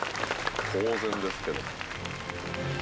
当然ですけど。